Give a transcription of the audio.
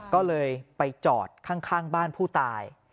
ก็เลยไปจอดข้างบ้านผู้ตาย